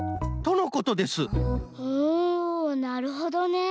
おなるほどね。